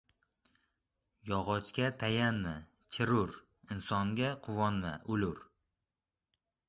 • Yog‘ochga tayanma, chirur, insonga quvonma, o‘lur.